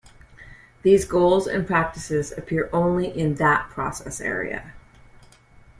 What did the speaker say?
These goals and practices appear only in that process area.